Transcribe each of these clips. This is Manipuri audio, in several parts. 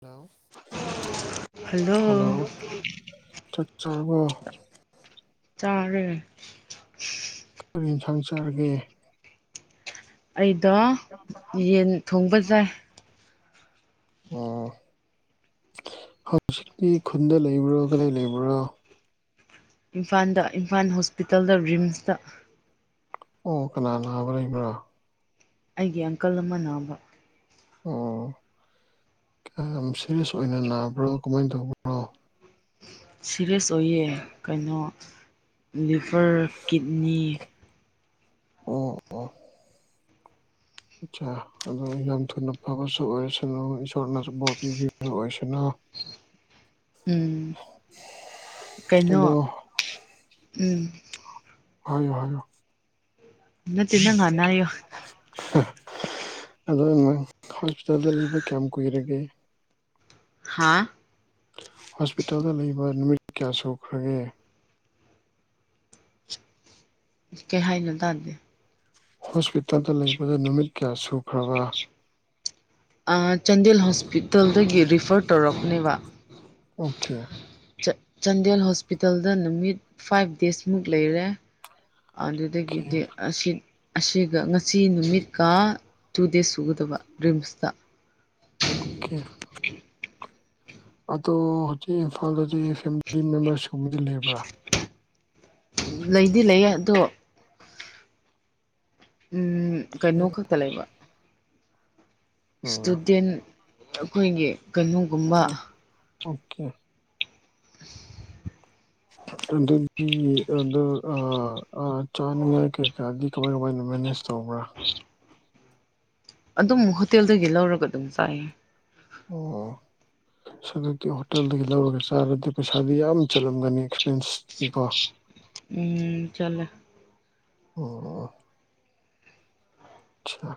ꯍꯜꯂꯣ ꯍꯜꯂꯣ ꯆꯥꯛ ꯆꯥꯔꯕꯣ ꯆꯥꯔ ꯍꯣꯔ ꯌꯦꯟꯁꯥꯡ ꯆꯥꯔꯒꯦ ꯑꯩꯗ ꯌꯦꯟ ꯊꯣꯡꯕ ꯌꯥꯏ ꯑꯣ ꯍꯧꯖꯤꯛꯇꯤ ꯈꯨꯟꯗ ꯂꯩꯕ꯭ꯔꯥ ꯀꯗꯥꯏ ꯂꯩꯕ꯭ꯔꯣ ꯏꯝꯐꯥꯜꯗ ꯏꯝꯐꯥꯜ ꯍꯣꯁꯄꯤꯇꯥꯜꯗ ꯔꯤꯝꯁꯇ ꯑꯣ ꯀꯅꯥ ꯅꯅꯥꯕ꯭ꯔ ꯏꯕ꯭ꯔꯣ ꯑꯩꯒꯤ ꯑꯪꯀꯜ ꯑꯃ ꯅꯥꯕ ꯑꯣ ꯀꯌꯥꯝ ꯁꯤꯦꯔꯤꯌꯁ ꯑꯣꯏꯅ ꯅꯥꯕ꯭ꯔꯣ ꯀꯃꯥꯏꯅ ꯇꯧꯕꯅ ꯁꯤꯦꯔꯤꯌꯁ ꯑꯣꯏꯌꯦ ꯀꯩꯅꯣ ꯂꯤꯚꯔ ꯀꯤꯠꯅꯤ ꯑꯣ ꯑꯣ ꯑꯆꯥ ꯑꯗꯨꯣ ꯌꯥꯝ ꯊꯨꯅ ꯐꯕꯁꯨ ꯑꯣꯏꯔꯁꯅꯨ ꯏꯁꯣꯔꯅꯁꯨ ꯚꯣꯠ ꯄꯤꯕꯤꯕ ꯑꯣꯏꯁꯅꯨ [unintelligible] ꯎꯝ ꯀꯩꯅꯣ ꯑꯗꯣ ꯎꯝ ꯍ ꯍ ꯇꯅ ꯈꯅꯣ ꯑꯗꯣ ꯅꯪ ꯍꯣꯁꯄꯤꯇꯥꯜꯗ ꯂꯩꯕ ꯀꯌꯥꯝ ꯀꯨꯏꯔꯒꯦ ꯍꯥꯥ ꯍꯣꯁꯄꯤꯇꯥꯜꯗ ꯂꯩꯕ ꯅꯨꯃꯤꯠ ꯀꯌꯥ ꯁꯨꯈ꯭ꯔꯒꯦ ꯀꯩ ꯍꯥꯏꯅꯣ ꯇꯥꯗꯦ ꯍꯣꯁꯄꯤꯇꯥꯜꯗ ꯂꯩꯕꯗ ꯅꯨꯃꯤꯠ ꯀꯌꯥ ꯁꯨꯈ꯭ꯔꯕ ꯆꯥꯟꯗꯦꯜ ꯍꯣꯁꯄꯤꯇꯥꯜꯗꯒꯤ ꯔꯤꯐꯔ ꯇꯧꯔꯛꯅꯦꯕ ꯑꯣꯀꯦ ꯆꯥꯟꯗꯦꯜ ꯍꯣꯁꯄꯤꯇꯥꯜꯗ ꯅꯨꯃꯤꯠ ꯐꯥꯏꯚ ꯗꯦꯖꯃꯨꯛ ꯂꯩꯔꯦ ꯑꯗꯨ ꯑꯣꯀꯦ ꯑꯗꯒꯤꯗꯤ ꯑꯁꯤꯠ ꯑꯁꯤꯒ ꯉꯁꯤ ꯅꯨꯃꯤꯠꯀ ꯇꯨ ꯗꯦꯖ ꯁꯨꯒꯗꯕ ꯔꯤꯝꯁꯇ ꯑꯣꯀꯦ ꯑꯗꯣ ꯍꯧꯖꯤꯛ ꯏꯝꯐꯥꯜꯗꯗꯤ ꯐꯦꯃꯤꯂꯤ ꯃꯦꯝꯕꯔꯁꯒꯨꯝꯕꯗꯤ ꯂꯩꯕ꯭ꯔꯥ ꯂꯩꯗꯤ ꯂꯩꯌꯦ ꯑꯗꯣ ꯎ ꯀꯩꯅꯣ ꯈꯛꯇ ꯂꯩꯕ ꯑꯣ ꯏꯁꯇꯨꯗꯦꯟ ꯑꯩꯈꯣꯏꯒꯤ ꯀꯩꯅꯣꯒꯨꯝꯕ ꯑꯣꯀꯦ [unintelligible] ꯑꯗꯨ ꯑꯗꯨꯗꯤ ꯑꯗꯨ ꯑꯗꯨꯣ ꯑ ꯆꯥꯅꯤꯉ ꯀꯦꯀ ꯀꯃꯥꯏ ꯀꯃꯥꯏꯅ ꯃꯦꯅꯦꯖ ꯇꯧꯕ꯭ꯔꯥ ꯑꯗꯨꯝ ꯍꯣꯇꯦꯜꯗꯒꯤ ꯂꯧꯔꯒ ꯑꯗꯨꯝ ꯆꯥꯏꯌꯦ ꯑꯣ ꯑ ꯑꯗꯨꯛꯇꯤ ꯍꯣꯇꯦꯜꯗꯒꯤ ꯂꯧꯔꯒ ꯆꯥꯔꯗꯤ ꯄꯩꯁꯥꯗꯤ ꯌꯥꯝ ꯆꯠꯂꯝꯒꯅꯤ ꯑꯦꯛꯁꯄꯦꯟꯁꯅꯤ ꯀꯣ [unintelligible] ꯎꯝ ꯆꯂꯦ ꯑꯣ ꯆꯥ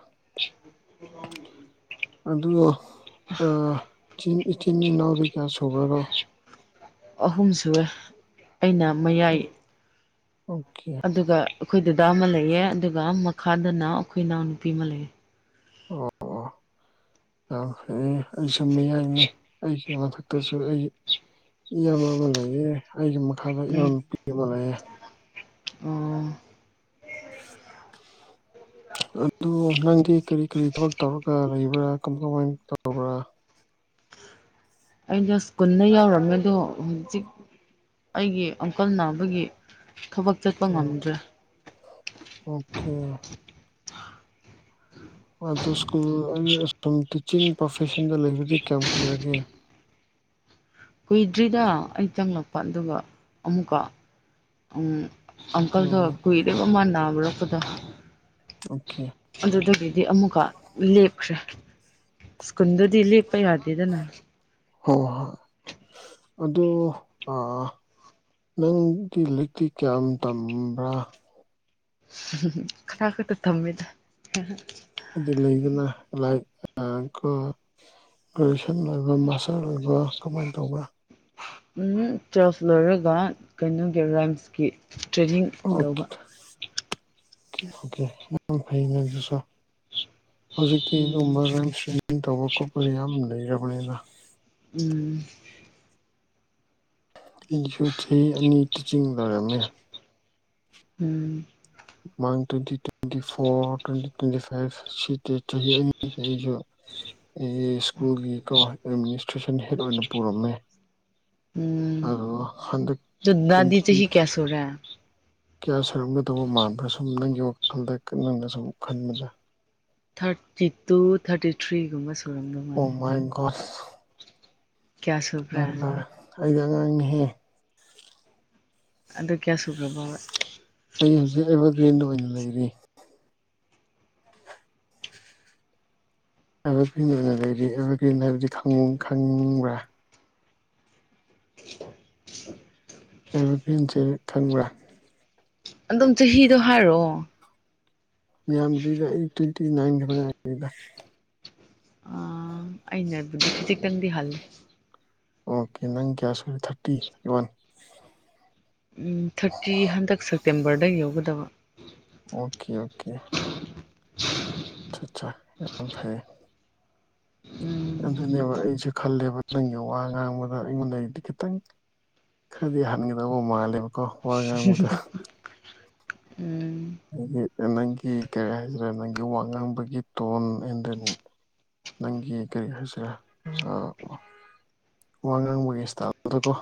ꯑꯣ ꯑ ꯏꯆꯤꯟ ꯏꯅꯥꯎꯗꯤ ꯀꯌꯥ ꯁꯨꯕ꯭ꯔꯅꯣ ꯑꯍꯨꯝ ꯁꯑꯦ ꯑꯩꯅ ꯃꯌꯥꯏ ꯑꯣꯀꯦ ꯑꯗꯨꯒ ꯑꯩꯈꯣꯏ ꯗꯥ ꯑꯃ ꯂꯩꯌꯦ ꯑꯗꯨꯒ ꯃꯈꯥꯗꯅ ꯑꯩꯈꯣꯏ ꯏꯅꯥꯎꯅꯨꯄꯤ ꯑꯃ ꯂꯩꯌꯦ ꯑꯣ ꯑꯣ ꯌꯥꯝ ꯐꯩ ꯑꯩꯁꯨ ꯃꯤꯌꯥꯏꯅꯤ ꯑꯩꯒꯤ ꯃꯊꯛꯇꯁꯨ ꯑꯩ ꯏꯕ ꯑꯃ ꯂꯩꯌꯦ ꯑꯩꯒꯤ ꯃꯈꯥꯗ ꯏꯅꯥꯎꯅꯨꯄꯤ ꯑꯃ ꯂꯩꯌꯦ ꯑꯥ ꯑꯗꯨ ꯅꯪꯗꯤ ꯀꯔꯤ ꯀꯔꯤ ꯊꯕꯛ ꯇꯧꯔꯒ ꯂꯩꯕ꯭ꯔꯥ ꯀꯃꯥꯏ ꯀꯃꯥꯏꯅ ꯇꯔꯕ꯭ꯔꯥ ꯑꯩꯅ ꯁ꯭ ꯀꯨꯜꯗ ꯌꯎꯔꯝꯃꯦ ꯑꯗꯣ ꯍꯧꯖꯤꯛ ꯑꯩꯒꯤ ꯑꯪꯀꯜ ꯅꯥꯕꯒꯤ ꯊꯕꯛ ꯆꯠꯄ ꯉꯝꯗ꯭ꯔꯦ ꯑꯣꯀꯦ ꯑꯗꯨ ꯁ꯭ꯀꯨꯜ ꯑꯩ ꯁ꯭ꯀꯨꯜ ꯇꯤꯆꯤꯡ ꯄ꯭ꯔꯣꯐꯦꯁꯟꯗ ꯂꯩꯕꯗꯤ ꯀꯌꯥꯝ ꯀꯨꯏꯔꯒꯦ ꯀꯨꯏꯗ꯭ꯔꯤꯗ ꯑꯩ ꯆꯪꯂꯛꯄ ꯑꯗꯨꯒ ꯑꯃꯨꯛꯀ ꯑꯪꯀꯜꯗ ꯎꯝ ꯀꯨꯏꯔꯦꯕ ꯃ ꯅꯥꯕꯔꯛꯄꯗ ꯑꯣꯀꯦ ꯑꯗꯨꯗꯒꯤꯗꯤ ꯑꯃꯨꯛꯀ ꯂꯦꯞꯈ꯭ꯔꯦ ꯁꯀꯨꯟꯗꯤ ꯂꯦꯛꯄ ꯌꯥꯗꯦꯗꯅ ꯍ ꯍꯣꯏ ꯑꯗꯨ ꯑ ꯅꯪꯗꯤ ꯂꯤꯛꯇꯤ ꯀꯌꯥꯝ ꯇꯝꯕ꯭ꯔꯥ ꯈꯔ ꯈꯇ ꯊꯝꯃꯦꯗ ꯍꯥꯏꯗꯤ ꯂꯩꯗꯅ ꯂꯥꯏꯛꯁ ꯑꯗꯨꯒ ꯃꯥꯁꯇꯔ ꯑꯣꯏꯕ꯭ꯔꯥ ꯀꯃꯥꯏꯅ ꯇꯧꯕ꯭ꯔꯥ ꯎꯝ ꯇ꯭ꯋꯦꯜꯐ ꯂꯣꯏꯔꯒ ꯀꯩꯅꯣꯒꯤ ꯔꯥꯏꯝꯁꯀꯤ ꯇ꯭ꯔꯦꯅꯤꯡ ꯑꯣꯀꯦ ꯇꯧꯕ ꯑꯣꯀꯦ ꯌꯥꯝ ꯐꯩ ꯑꯗꯨꯁꯣ ꯍꯧꯖꯤꯛꯇꯤ ꯎꯝ ꯑꯗꯨꯝꯕ ꯔꯥꯏꯝ ꯁ꯭ꯋ ꯇꯧꯕ ꯈꯣꯠꯄ ꯌꯥꯝ ꯂꯩꯔꯕꯅꯤꯅ ꯎꯝ ꯏꯟꯁꯨ ꯆꯍꯤ ꯑꯅꯤ ꯇꯤꯆꯤꯡ ꯂꯩꯏꯔꯝꯃꯦ ꯎꯝ ꯃꯥꯡ twenty twenty four twenty twenty five ꯁꯤꯗꯤ ꯆꯍꯤ ꯑꯅꯤꯒꯤ ꯑꯩꯁꯨ ꯑꯩ ꯁ꯭ꯀꯨꯜꯒꯤ ꯀꯣ ꯑꯦꯗꯃꯤꯅꯤꯁꯇ꯭ꯔꯦꯁꯟ ꯍꯦꯗ ꯑꯣꯏꯅ ꯄꯨꯔꯝꯃꯦ ꯎꯝ ꯑꯗꯨꯜ ꯍꯟꯗꯛ ꯇ꯭ꯋꯦꯟꯇꯤ ꯇ꯭ꯋꯦꯟꯇꯤ ꯑ ꯀꯌꯥ ꯁꯔꯝꯅ ꯇꯧꯕ ꯃꯥꯟꯕ꯭ꯔꯥ ꯁꯨꯝ ꯅꯪꯒꯤ ꯋꯥꯈꯜꯗ ꯅꯪꯅ ꯁꯨꯝ ꯈꯟꯕꯗ ꯊꯥꯔꯇꯤ ꯇꯨ ꯊꯥꯔꯇꯤ ꯊ꯭ꯔꯤꯒꯨꯝꯕ ꯁꯨꯔꯝꯗꯧ ꯃꯥꯅꯤ ꯀꯌꯥ ꯁꯨꯈ꯭ꯔꯦ ꯀꯥꯁ ꯑꯩꯗꯤ ꯑꯉꯥꯡꯅꯤꯍꯦ ꯑꯗꯨ ꯀꯌꯥꯁꯨꯒ꯭ꯔꯕ ꯑꯩ ꯍꯧꯖꯤꯛ ꯑꯦꯚꯔꯒ꯭ꯔꯤꯟꯗ ꯑꯣꯏꯅ ꯂꯩꯔꯤ ꯑꯦꯚꯔꯒ꯭ꯔꯤꯟ ꯑꯣꯏꯅ ꯂꯩꯗꯤ ꯑꯦꯚꯔꯒ꯭ꯔꯤꯟ ꯍꯥꯏꯕꯗꯤ ꯈꯪꯅꯤꯡꯕ꯭ꯔꯥ ꯑꯦꯚꯔꯒ꯭ꯔꯤꯟꯁꯦ ꯈꯟꯕ꯭ꯔꯥ ꯑꯗꯨꯝ ꯆꯍꯤꯗꯣ ꯍꯥꯏꯔꯛꯑꯣ ꯌꯥꯝꯗ꯭ꯔꯤꯗ ꯑꯩ ꯇ꯭ꯋꯦꯟꯇꯤ ꯅꯥꯟ ꯈꯕꯗ ꯑꯩꯅ ꯑꯗꯨꯗꯤ ꯈꯖꯤꯛꯇꯪꯗꯤ ꯍꯜꯂꯤ ꯑꯣꯀꯦ ꯅꯪ ꯀ꯭ꯌꯥ ꯁ ꯑꯣꯏꯔꯤꯦ ꯊꯥꯔꯇꯤ ꯊꯥꯔꯇꯤ ꯋꯥꯟ ꯊꯥꯔꯇꯤ ꯍꯟꯗꯛ ꯁꯦꯞꯇꯦꯝꯕꯔꯗ ꯌꯧꯒꯗꯕ ꯑꯣꯀꯦ ꯑꯣꯀꯦ ꯍ ꯑ ꯑꯠꯆꯥ ꯑ ꯐꯩ ꯎꯝ ꯑꯗꯨꯅꯦꯕ ꯑꯩꯁꯨꯦ ꯈꯜꯂꯦꯕ ꯅꯪꯒꯤ ꯋꯥ ꯉꯥꯡꯕꯗ ꯑꯩꯉꯣꯟꯗꯗꯤ ꯈꯤꯇꯪ ꯈꯔꯗꯤ ꯍꯟꯒꯗꯕ ꯃꯥꯜꯂꯦꯕꯀꯣ ꯋꯥ ꯉꯥꯡꯕꯗꯣ ꯎꯝ ꯗꯤ ꯅꯪꯒꯤ ꯀꯔꯤ ꯍꯥꯏꯁꯤꯔꯦ ꯅꯪꯒꯤ ꯋꯥ ꯉꯥꯡꯕꯒꯤ ꯇꯣꯟ ꯑꯦꯟ ꯗꯦꯟ ꯅꯪꯒꯤ ꯀꯔꯤ ꯍꯥꯏꯁꯤꯔꯥ ꯋꯥ ꯉꯥꯡꯕꯒꯤ ꯏꯁꯇꯥꯜꯗꯨꯗ ꯀꯣ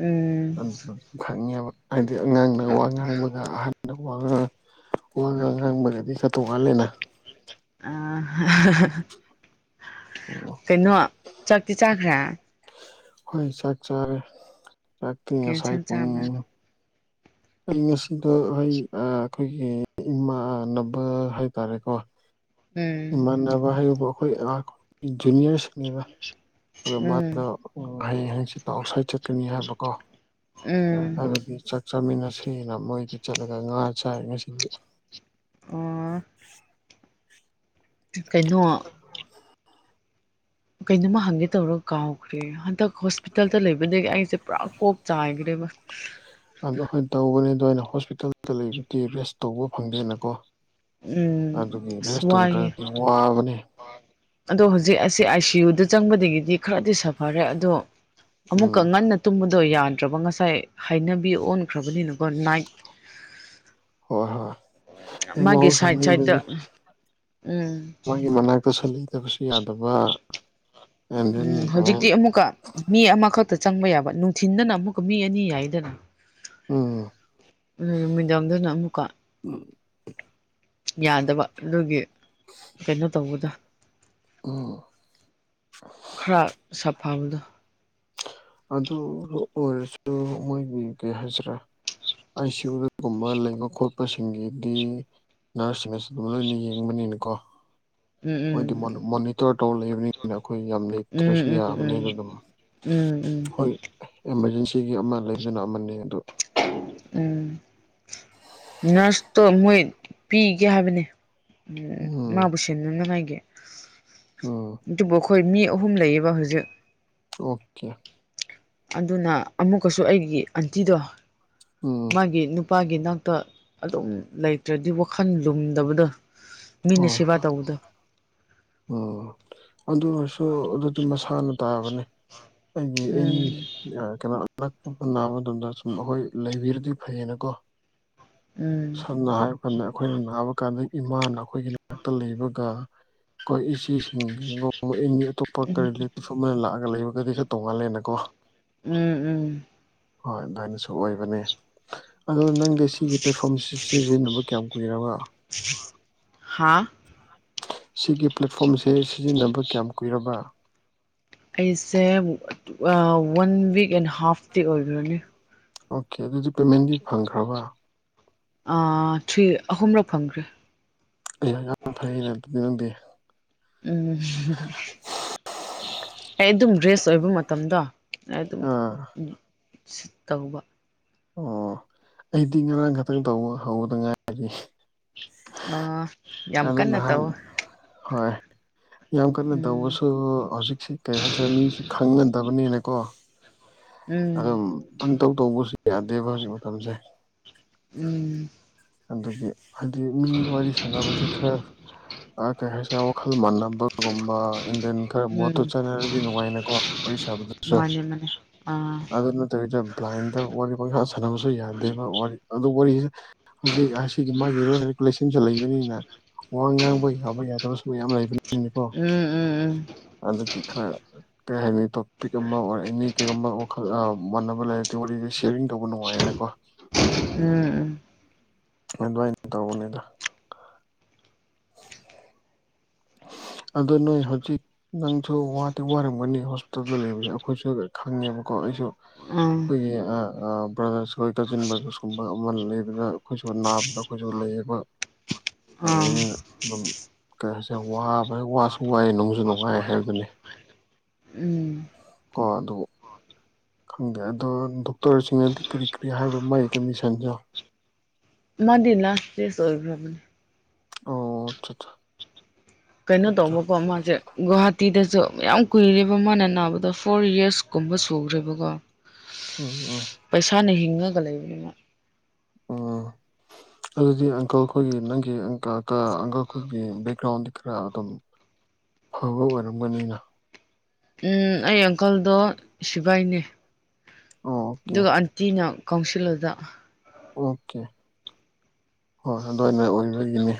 ꯎꯝ ꯑꯗꯨ ꯑꯗꯨꯝ ꯈꯪꯉꯦꯕ ꯍꯥꯏꯗꯤ ꯑꯉꯥꯡꯅ ꯋꯥ ꯉꯥꯡꯕꯒ ꯑꯍ ꯋꯥ ꯉꯥꯡ ꯋꯥ ꯉꯥꯡ ꯉꯥꯡꯕꯒꯗꯤ ꯈ ꯇꯣꯛꯉꯥꯜꯂꯦꯅ ꯑ ꯑ ꯑꯣ ꯀꯩꯅꯣ ꯆꯥꯛꯇꯤ ꯆꯥꯈ꯭ꯔꯥ ꯍꯣꯏ ꯆꯥꯛ ꯆꯥ ꯆꯥꯛꯀꯤ ꯉꯁꯥꯏ ꯀꯦꯟꯁꯪ ꯄꯨꯡ ꯆꯥꯕ꯭ꯔꯥ ꯑꯩ ꯉꯁꯤꯗꯣ ꯍꯣꯏ ꯑꯩꯈꯣꯏꯒꯤ ꯏꯃꯥꯟꯅꯕ ꯍꯥꯏꯇꯥꯔꯦꯀꯣ ꯎꯝ ꯏꯃꯥꯟꯅꯕ ꯍꯥꯏꯕꯨ ꯑꯩꯈꯣꯏ ꯖꯨꯅꯤꯌꯔꯁꯤꯡ [unintelligible] ꯑꯗꯣ ꯃꯥꯗ ꯍꯌꯦꯡ ꯍꯌꯦꯡꯁꯤ ꯇ ꯑꯥꯎꯠ ꯁꯥꯏꯗ ꯆꯠꯀꯅꯤ ꯍꯥꯏꯕꯀꯣ ꯎꯝ ꯑꯗꯨꯗꯤ ꯆꯥꯛ ꯆꯥꯃꯤꯟꯅꯁꯦꯅ ꯃꯣꯏꯗ ꯆꯠꯂꯒ ꯉꯥ ꯆꯥꯏ ꯉꯁꯤꯡꯗ ꯑꯣ ꯀꯩꯅꯣ ꯎꯝ ꯀꯩꯅ ꯅꯨꯃ ꯍꯪꯦ ꯇꯧꯔꯣ ꯀꯥꯎꯈ꯭ꯔꯤ ꯑ ꯍꯣꯁꯄꯤꯇꯥꯜꯗ ꯂꯩꯕꯗꯒꯤ ꯑꯩꯁꯦ ꯄꯨꯔꯥ ꯀꯣꯛ ꯆꯥꯏꯈ꯭ꯔꯦꯕ ꯑꯣ ꯍꯣꯏ ꯇꯧꯕꯅꯤ ꯑꯗꯣ ꯑꯩꯅ ꯍꯣꯁꯄꯤꯇꯥꯜꯗ ꯂꯩꯕꯗꯤ ꯔꯦꯁ ꯇꯧꯕ ꯐꯪꯗꯦꯅꯀꯣ ꯎꯝ ꯑꯗꯨꯒꯤ ꯑꯁ ꯔꯦꯁ ꯋꯥꯏꯌꯦ ꯇꯧꯗ꯭ꯔꯗꯤ ꯋꯥꯕꯅꯤ ꯑꯗꯣ ꯍꯧꯖꯤꯛ ꯑꯁꯤꯁ ꯑꯥꯏ ꯁꯤ ꯌꯨꯗ ꯆꯪꯕꯗꯒꯤꯗꯤ ꯈꯔꯗꯤ ꯁꯥꯐꯔꯦ ꯑꯗꯣ ꯑꯃꯨꯛꯀ ꯎꯝ ꯉꯟꯅ ꯇꯨꯝꯕꯗꯣ ꯌꯥꯗ꯭ꯔꯕ ꯉꯁꯥꯏ ꯍꯩꯅꯕꯤ ꯑꯣꯟꯈ꯭ꯔꯕꯅꯤꯅꯀꯣ ꯅꯥꯏꯠ ꯍꯣꯏ ꯍꯣꯏ ꯃꯥꯒꯤ ꯁꯥꯏꯠ ꯃꯍꯧꯁꯥꯅꯤ ꯁꯥꯏꯠꯇ ꯎꯝ ꯑꯩꯒꯤ ꯃꯅꯥꯛꯇꯁꯨꯂꯇꯕꯁꯨ ꯌꯥꯗꯕ ꯑꯦꯟ ꯗꯦꯟ ꯎꯝ ꯍꯧꯖꯤꯛꯇꯤ ꯑꯃꯨꯛ ꯑꯃꯨꯛꯀ ꯃꯤ ꯑꯃꯈꯛꯇ ꯆꯪꯕ ꯌꯥꯕ ꯅꯨꯡꯊꯤꯟꯗꯅ ꯑꯃꯨꯛꯀ ꯃꯤ ꯑꯅꯤ ꯌꯥꯏꯗꯅ ꯎ ꯑꯗꯨ ꯅꯨꯃꯤꯗꯥꯡꯗꯅ ꯑꯃꯨꯛꯀ ꯌꯥꯗꯕ ꯑꯗꯨꯒꯤ ꯀꯩꯅꯣ ꯇꯧꯕꯗ ꯑ ꯈꯔ ꯁꯥꯐꯕꯗꯣ ꯑꯗꯨ ꯑꯣꯏꯔꯁꯨ ꯃꯣꯏꯒꯤ ꯀꯩ ꯍꯥꯏꯁꯤꯔꯥ ꯑꯥꯏ ꯁꯤ ꯌꯨꯒꯨꯝꯕ ꯂꯩꯕ ꯈꯣꯠꯄꯁꯤꯡꯒꯤꯗꯤ ꯅꯔꯁꯁꯤꯡꯅꯁꯨ ꯑꯗꯨꯝ ꯂꯣꯏꯅ ꯌꯦꯡꯕꯅꯤꯅꯀꯣ ꯃꯣꯏꯗꯤ ꯎꯝ ꯃꯣꯅꯤꯇꯔ ꯇꯧꯔ ꯂꯩꯕꯅꯤꯅ ꯑꯩꯈꯣꯏ ꯌꯥꯝ ꯎꯝ ꯂꯩꯇ꯭ꯔꯁꯨ ꯎꯝ ꯎꯝ ꯎꯝ ꯌꯥꯕꯅꯤꯅ ꯑꯗꯨꯝ ꯎꯝ ꯎꯝ ꯍꯣꯏ ꯑꯦꯃꯥꯔꯖꯦꯟꯁꯤꯒꯤ ꯑꯃ ꯂꯩꯕꯗꯨꯅ ꯑꯃꯅꯤ ꯑꯗꯨꯗ ꯎꯝ ꯅꯔꯁꯇꯣ ꯃꯣꯏ ꯄꯤꯒꯦ ꯍꯥꯏꯕꯅꯦ ꯎꯝ ꯃꯥꯕꯨꯁꯅꯅꯉꯒꯦ ꯎꯝ ꯑꯗꯨꯕꯨ ꯑꯩꯈꯣꯏ ꯃꯤ ꯑꯍꯨꯝ ꯂꯩꯌꯦꯕ ꯍꯧꯁꯨ ꯑꯣꯀꯦ ꯑꯗꯨꯅ ꯑꯃꯨꯛꯀꯁꯨ ꯑꯩꯒꯤ ꯑꯟꯇꯤꯗꯣ ꯎꯝ ꯃꯥꯒꯤ ꯅꯨꯄꯥꯒꯤ ꯏꯅꯥꯛꯇ ꯑꯗꯨꯝ ꯂꯩꯇ꯭ꯔꯗꯤ ꯋꯥꯈꯜ ꯂꯨꯝꯗꯕꯗ ꯍꯣꯏ ꯍꯣꯏ ꯑꯣ ꯑꯗꯨ ꯑꯣꯏꯔꯁꯨ ꯑꯗꯨꯗꯤ ꯃꯁꯥꯅ ꯇꯥꯕꯅꯤ ꯍꯥꯏ ꯑꯦꯅꯤ ꯎꯝ ꯀꯩꯅꯣ ꯑꯅꯛꯄ ꯅꯥꯕ ꯃꯇꯝꯗ ꯁꯨꯝ ꯑꯩꯈꯣꯏ ꯂꯩꯕꯤꯔꯗꯤ ꯐꯩꯌꯦꯅꯀꯣ ꯎꯝ ꯁꯝꯅ ꯍꯥꯏꯔ ꯀꯥꯟꯗ ꯑꯩꯈꯣꯏꯅ ꯅꯥꯕ ꯀꯥꯟꯗ ꯏꯃꯥꯅ ꯑꯩꯈꯣꯏꯒꯤ ꯅꯥꯛꯇ ꯂꯩꯕꯒ ꯑꯩꯈꯣꯏ ꯏꯆꯦꯁꯤꯡꯒꯤꯒ ꯏ ꯑꯇꯣꯞꯄ ꯀꯔꯤ ꯏꯐꯐꯝ ꯑꯃꯗ ꯂꯥꯛꯑꯒ ꯂꯩꯕꯒꯗꯤ ꯈꯔ ꯇꯧꯉꯥꯜꯂꯦꯅꯀꯣ ꯎꯝ ꯎꯝ ꯍꯣꯏ ꯑꯗꯨꯃꯥꯏꯅꯁꯨ ꯑꯣꯏꯕꯅꯦ ꯑꯗꯨ ꯅꯪ ꯦ ꯁꯤꯒꯤ ꯄ꯭ꯂꯦꯠꯐꯣꯝ ꯁꯤꯖꯤꯟꯅꯕ ꯀꯌꯥꯝ ꯀꯨꯏꯔꯒ ꯍꯥ ꯁꯤꯒꯤ ꯄ꯭ꯂꯦꯠꯐꯣꯝꯁꯦ ꯁꯤꯖꯤꯟꯅꯕ ꯀꯌꯥꯝ ꯀꯨꯏꯔꯕ ꯑꯩꯁꯦ ꯋꯥꯟ ꯋꯤꯛ ꯑꯦꯟ ꯍꯥꯐꯇꯤ ꯑꯣꯏꯈꯔꯅꯤ ꯑꯣꯀꯦ ꯑꯗꯨꯗꯤ ꯄꯦꯃꯦꯟꯗꯤ ꯐꯪꯈ꯭ꯔꯕ ꯊ꯭ꯔꯤ ꯑꯍꯨꯝꯔꯛ ꯐꯪꯈ꯭ꯔꯦ ꯑꯩꯍꯥꯛ ꯌꯥꯝ ꯐꯩꯩꯅ ꯑꯗꯨꯗꯤ ꯅꯪꯗꯦ ꯎꯝ ꯑꯗꯨ ꯑꯗꯨꯝ ꯭ꯔꯦꯁ ꯑꯣꯏꯕ ꯃꯇꯝꯗꯣ ꯑꯗꯨꯝ ꯑꯥ ꯇꯧꯕ ꯑꯣ ꯑꯩꯗꯤ ꯉꯔꯥꯡ ꯈꯛꯇꯪ ꯇꯧꯕ ꯍꯧꯧꯕꯗ ꯉꯥꯏꯔꯒꯦ ꯑ ꯌꯥꯝ ꯀꯟꯅ ꯅꯍꯥꯟ ꯇꯧ ꯍꯣꯏ ꯌꯥꯝ ꯀꯟꯅ ꯎꯝ ꯇꯧꯕꯁꯨ ꯍꯧꯖꯤꯛꯁꯤ ꯀꯩ ꯍꯥꯏꯇꯥꯔꯦ ꯃꯤꯁꯤ ꯈꯪꯅꯗꯕꯅꯤꯅꯀꯣ ꯎꯝ ꯑꯗꯨꯝ ꯄꯪꯇꯧ ꯇꯧꯕꯁꯨ ꯌꯥꯗꯦꯕ ꯍꯧꯖꯤꯛ ꯃꯇꯝꯁꯦ ꯎꯝ ꯑꯗꯒꯤ ꯍꯥꯏꯗꯤ ꯃꯤ ꯋꯥꯔꯤ ꯁꯥꯟꯅꯕꯁꯤꯦ ꯈꯔ ꯀꯩ ꯍꯥꯏꯁꯤꯔ ꯋꯥꯈꯜ ꯃꯥꯟꯅꯕꯒꯨꯝꯕ ꯏꯟꯗꯤꯌꯟ ꯈꯔ ꯃꯣꯠꯇ ꯎꯝ ꯆꯠꯅꯔꯗꯤ ꯅꯨꯡꯉꯥꯏꯅꯀꯣ ꯋꯥꯔꯤ ꯁꯥꯕꯗꯁꯨ ꯃꯥꯅꯦ ꯃꯥꯅꯦ ꯑꯥ ꯑꯗꯨ ꯅꯠꯇꯕꯤꯗ ꯄ꯭ꯂꯥꯏꯟꯗ ꯋꯥꯔꯤ ꯃꯈꯥ ꯁꯥꯟꯅꯕꯁꯨ ꯌꯥꯗꯦꯕ ꯋꯥꯔꯤ ꯑꯗꯨ ꯋꯥꯔꯤꯁꯤꯦ ꯍꯧꯖꯤꯛ ꯑꯁꯤꯒꯤ ꯃꯥꯒꯤ ꯔꯨꯜꯁ ꯑꯦ ꯔꯤꯒꯨꯂꯦꯁꯟꯁꯨ ꯂꯩꯕꯅꯤꯅ ꯋꯥ ꯉꯥꯡꯕ ꯌꯥꯕ ꯌꯥꯗꯕꯁꯨ ꯃꯌꯥꯝ ꯂꯩꯕꯅꯤ ꯅꯤꯀꯣ ꯎꯝ ꯑꯗꯨꯒꯤ ꯈꯔ ꯀꯩ ꯍꯥꯏꯅꯤ ꯇꯣꯄꯤꯛ ꯑꯃ ꯑꯣꯔ ꯑꯦꯅꯤ ꯀꯦꯛ ꯑꯃ ꯋꯥꯈꯜ ꯃꯥꯟꯅꯕ ꯂꯩꯔꯗꯤ ꯁꯌꯥꯔꯤꯡ ꯇꯧꯕ ꯅꯨꯡꯉꯥꯏꯌꯦꯅꯀꯣ ꯎꯝ ꯎꯝ ꯑꯗꯨꯃꯥꯏꯅ ꯇꯧꯕꯅꯤꯗ ꯑꯗꯨ ꯅꯣꯏ ꯍꯧꯖꯤꯛ ꯅꯪꯁꯨ ꯋꯥꯗꯤ ꯋꯥꯔꯝꯒꯅꯤ ꯍꯣꯁꯄꯤꯇꯥꯜꯗ ꯂꯩꯕꯁꯦ ꯑꯩꯈꯣꯏꯁꯨ ꯈꯪꯉꯦꯕꯀꯣ ꯑꯩꯁꯨ ꯎꯝ ꯎꯝ ꯎꯝ ꯑꯥ ꯑꯩꯈꯣꯏꯒꯤ ꯕ꯭ꯔꯗꯔꯁ ꯑꯩꯣꯏ ꯀꯖꯤꯟ ꯕ꯭ꯔꯗꯔꯁ ꯀꯨꯝꯕ ꯑꯃ ꯂꯩꯕꯗ ꯑꯩꯈꯣꯏꯁꯨ ꯅꯥꯕꯗꯣ ꯑꯩꯈꯣꯏꯁꯨ ꯂꯩꯕ ꯑꯥ ꯂꯩꯕꯅꯤꯅ ꯑꯗꯨꯝ ꯀꯌꯥ ꯁꯦ ꯋꯥꯕ ꯋꯥꯁꯨ ꯋꯥꯏ ꯅꯨꯡꯁꯨ ꯅꯨꯡꯉꯥꯏ ꯍꯥꯏꯕꯗꯨꯅꯤ ꯎꯝ ꯀꯣ ꯑꯗꯨꯕꯨ ꯈꯪꯗꯦ ꯑꯗꯣ ꯗꯣꯛꯇꯔꯁꯤꯡꯅꯗꯤ ꯀꯔꯤ ꯀꯔꯤ ꯍꯥꯏꯕ꯭ꯔꯣ ꯃꯥꯒꯤ ꯀꯟꯗꯤꯁꯟꯁꯦ ꯃꯗꯤ ꯂꯥꯁ ꯆꯦꯁ ꯑꯣꯏꯒ꯭ꯔꯕꯅꯤ ꯑꯣ ꯑꯆꯥ ꯀꯩꯅꯣ ꯇꯧꯕꯀꯣ ꯃꯥꯁꯦ ꯒꯨꯍꯥꯇꯤꯗꯁꯨ ꯌꯥꯝꯌꯥꯝ ꯀꯨꯏꯔꯦꯕ ꯃꯥꯅ ꯅꯥꯕꯗ ꯐꯣꯔ ꯌꯔꯁ ꯀꯨꯝꯕ ꯁꯨꯈ꯭ꯔꯦꯕꯀꯣ ꯎꯝ ꯎꯝ ꯄꯩꯁꯥꯅ ꯍꯤꯡꯉꯒ ꯂꯩꯕꯅꯤꯅ ꯑ ꯑꯗꯨꯗꯤ ꯑꯪꯀꯜ ꯑꯩꯈꯣꯏꯒꯤ ꯅꯪꯒꯤ ꯑꯪꯀꯜ ꯑꯩꯈꯣꯏꯒꯤ ꯕꯦꯛꯒ꯭ꯔꯥꯎꯟꯗꯤ ꯈꯔ ꯑꯗꯨꯝ ꯑꯐꯕ ꯑꯣꯏꯔꯝꯒꯅꯤꯅ ꯎ ꯑꯩ ꯑꯪꯀꯜꯗꯣ ꯁꯤꯕꯥꯏꯅꯦ ꯑꯣꯀꯦ ꯑꯗꯨꯒ ꯑꯪ ꯇꯤꯅ ꯀꯥꯎꯟꯁꯤꯜ ꯑꯗꯨꯗ ꯑꯣꯀꯦ ꯍꯣꯏ ꯑꯗꯨꯏꯅ ꯑꯣꯏꯕꯒꯤꯅꯤ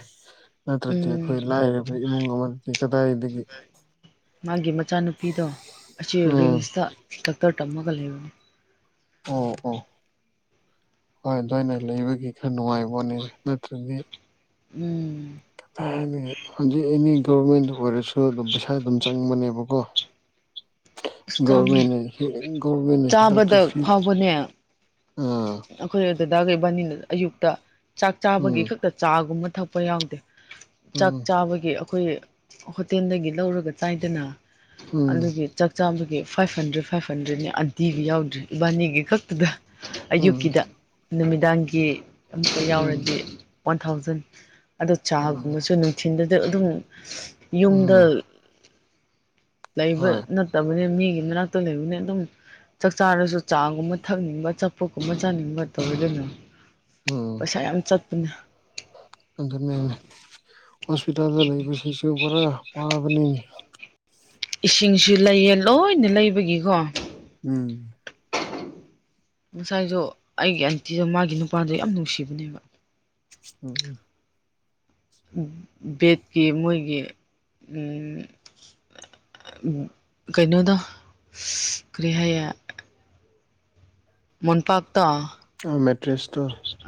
ꯅꯠꯇ꯭ꯔꯗꯤ ꯎꯝ ꯑꯩꯈꯣꯏ ꯂꯥꯏꯔꯕ ꯏꯃꯨꯡ ꯑꯃꯗꯗꯤ ꯀꯗꯥꯏꯗꯒꯤ ꯃꯥꯒꯤ ꯃꯆꯥꯅꯨꯄꯤꯗꯣ ꯑꯁꯤ ꯎꯝ ꯔꯤꯝꯁꯇ ꯗꯥꯛꯇꯔ ꯇꯝꯃꯒ ꯂꯩꯕꯅꯦ ꯑꯣ ꯑꯣ ꯍꯣꯏ ꯑꯗꯨꯋꯥꯏꯅ ꯂꯩꯕꯒꯤ ꯈꯔ ꯅꯨꯡꯉꯥꯏꯕꯅꯦ ꯅꯠꯇ꯭ꯔꯗꯤ ꯎꯝ ꯍꯧꯖꯤꯛ ꯑꯦꯅꯤ ꯒꯚꯔꯃꯦꯟꯗ ꯑꯣꯏꯔꯁꯨ ꯑꯗꯨꯝ ꯄꯩꯁꯥ ꯑꯗꯨꯝ ꯆꯪꯕꯅꯦꯕꯀꯣ ꯑꯁ ꯆꯥꯡꯉꯦ ꯒꯣꯚꯃꯦꯟ ꯍꯤ ꯒꯣꯚꯃꯦꯟꯅ ꯍꯤꯗꯥꯛꯇꯣ ꯆꯥꯕꯗ ꯐꯤ ꯐꯥꯎꯕꯅꯦ ꯑꯥ ꯑꯩꯈꯣꯏ ꯗꯗꯥꯒ ꯏꯕꯅꯤꯅ ꯑꯌꯨꯛꯇ ꯆꯥꯛ ꯆꯥꯕꯒꯤ ꯎꯝ ꯈꯛꯇ ꯆꯥꯒꯨꯝꯕ ꯊꯛꯄ ꯌꯥꯎꯗꯦ ꯆꯥꯛ ꯎꯝ ꯆꯥꯕꯒꯤ ꯑꯩꯈꯣꯏ ꯍꯣꯇꯦꯜꯗꯒꯤ ꯂꯧꯔꯒ ꯆꯥꯏꯗꯅ ꯎꯝ ꯑꯗꯨꯒꯤ ꯆꯠ ꯆꯥꯝꯕꯒꯤ ꯐꯥꯏꯚ ꯍꯟꯗ꯭ꯔꯦꯗ ꯐꯥꯏꯚ ꯍꯟꯗ꯭ꯔꯦꯗꯅꯤ ꯑꯟꯇꯤꯒꯤ ꯌꯥꯎꯗ꯭ꯔꯦ ꯏꯕꯥꯅꯤꯒꯤ ꯈꯛꯇꯨꯗ ꯎꯝ ꯑꯌꯨꯛꯀꯤꯗ ꯅꯨꯃꯤꯗꯥꯡꯒꯤ ꯑꯃꯝꯇ ꯎꯝ ꯌꯥꯎꯔꯗꯤ ꯋꯥꯟ ꯊꯥꯎꯖꯟ ꯑꯗꯨ ꯎꯝ ꯆꯥꯒꯨꯝꯕꯁꯨ ꯅꯨꯡꯊꯤꯟꯗꯨꯗ ꯑꯗꯨꯝ ꯌꯨꯝꯗ ꯎꯝ ꯂꯩꯕ ꯍꯣꯏ ꯅꯠ ꯐꯠꯇꯕꯅꯤ ꯃꯤꯒꯤ ꯃꯅꯥꯛꯇ ꯂꯩꯕꯅꯤ ꯑꯗꯨꯝ ꯆꯥꯛ ꯆꯥꯔꯁꯨ ꯆꯥꯒꯨꯝꯕ ꯊꯛꯅꯤꯡꯕ ꯑꯆꯥꯄꯣꯠ ꯀꯨꯝꯕ ꯆꯥꯅꯤꯡꯕ ꯇꯧꯋꯤꯗꯅ ꯎꯝ ꯄꯩꯁꯥ ꯌꯥꯝ ꯆꯠꯄꯅꯦ ꯑꯗꯨꯅꯦꯃꯦ ꯍꯣꯁꯄꯤꯇꯥꯜꯗ ꯂꯩꯕꯁꯤꯁꯨ ꯄꯨꯔꯥ ꯋꯥꯕꯅꯤꯅꯦ ꯏꯁꯤꯡꯁꯨ ꯂꯩꯌꯦ ꯂꯣꯏꯅ ꯂꯩꯕꯒꯤꯀꯣ ꯎꯝ ꯉꯁꯥꯏꯗꯣ ꯑꯩꯒꯤ ꯑꯟꯇꯤꯗꯣ ꯃꯥꯒꯤ ꯅꯨꯄꯥꯗꯣ ꯌꯥꯝ ꯅꯨꯡꯁꯤꯕꯅꯦꯕ ꯎꯝ ꯎꯝ ꯕꯦꯠꯀꯤ ꯃꯣꯏꯒꯤ ꯎꯝ ꯀꯩꯅꯣꯗꯣ ꯀꯔꯤ ꯍꯥꯌꯦ ꯃꯣꯟꯄꯥꯛꯇꯣ ꯎꯝ ꯃꯦꯇ꯭ꯔꯦꯁꯇꯣ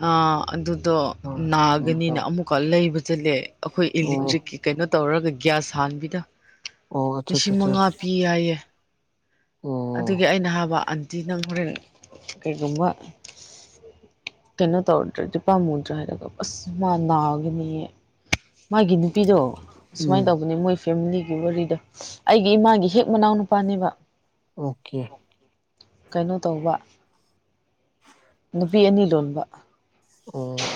ꯑꯥ ꯑꯗꯨꯗꯣ ꯍꯣꯏ ꯎꯝ ꯅꯥꯒꯅꯤꯅ ꯑꯣ ꯑꯃꯨꯛꯀꯥ ꯂꯩꯕ ꯆꯠꯂꯦ ꯑꯩꯈꯣꯏ ꯏꯂꯦꯛꯇ꯭ꯔꯤꯛꯀꯤ ꯀꯩꯅꯣ ꯇꯧꯔꯒ ꯒ꯭ꯌꯥꯁ ꯍꯥꯟꯕꯤꯗꯣ ꯑꯣ ꯑꯠꯆꯥ ꯑꯠꯆꯥ ꯂꯤꯁꯤꯡ ꯑꯠꯆꯥ ꯃꯉꯥ ꯄꯤ ꯍꯥꯏꯌꯦ ꯑꯣ ꯑꯗꯨꯒꯤ ꯑꯩꯅ ꯍꯥꯏꯕ ꯑꯟꯇꯤ ꯅꯪ ꯍꯣꯔꯦꯟ ꯀꯩꯒꯨꯝꯕ ꯀꯩꯅꯣ ꯇꯧꯔꯗ꯭ꯔꯦꯗꯤ ꯄꯃꯨꯗ꯭ꯔꯥ ꯍꯥꯏꯔꯒ ꯑꯁ ꯃꯥ ꯅꯒꯅꯤꯌꯦ ꯃꯥꯒꯤ ꯅꯨꯄꯤꯗꯣ ꯎꯝ ꯁꯨꯃꯥꯏꯅ ꯇꯧꯕꯅꯦ ꯃꯣꯏ ꯐꯦꯃꯤꯂꯤꯒꯤ ꯋꯥꯔꯤꯗ ꯑꯩꯒꯤ ꯏꯃꯥꯒꯤ ꯍꯦꯛ ꯃꯅꯥꯎ ꯅꯨꯄꯥꯅꯦꯕ ꯑꯣꯀꯦ ꯀꯩꯅꯣ ꯇꯧꯕ ꯅꯨꯄꯤ ꯑꯅꯤ ꯂꯣꯟꯕ ꯑꯣ